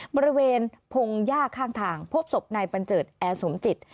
บริเวณพงศ์ย่าข้างทางพบสบในปันเจิดแอสสมจิต